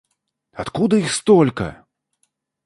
Откуда их столько?